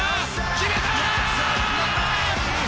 決めた！